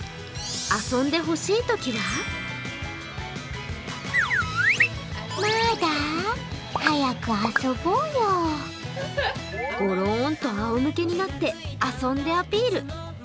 遊んでほしいときはごろんとあおむけになって遊んでアピール。